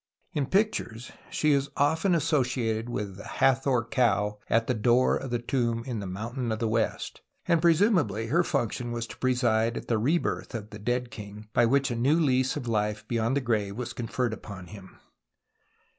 In pictures she is often associated with the Hathor Cow at the door of tlie tomb in the Mountain of the West ; and presumably her function was to preside at the rebirth of the dead king by which a new lease of life beyond the grave was conferred upon him.